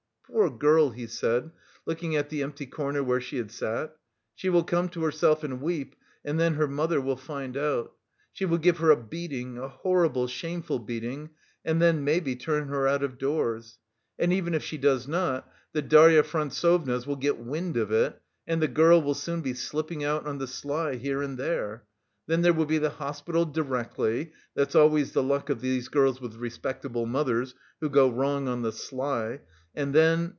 "Poor girl!" he said, looking at the empty corner where she had sat "She will come to herself and weep, and then her mother will find out.... She will give her a beating, a horrible, shameful beating and then maybe, turn her out of doors.... And even if she does not, the Darya Frantsovnas will get wind of it, and the girl will soon be slipping out on the sly here and there. Then there will be the hospital directly (that's always the luck of those girls with respectable mothers, who go wrong on the sly) and then...